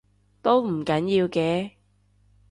都唔緊要嘅